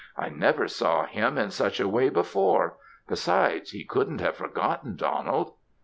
I never saw him in such a way before. Besides, he couldn't have forgotten Donald!"